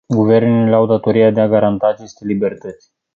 Guvernele au datoria de a garanta aceste libertăți.